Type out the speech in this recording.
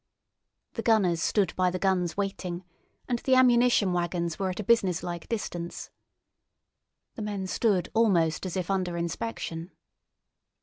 The gunners stood by the guns waiting, and the ammunition waggons were at a business like distance. The men stood almost as if under inspection.